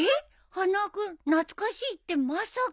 花輪君懐かしいってまさか。